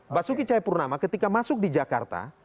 mbak suki cahayapurnama ketika masuk di jakarta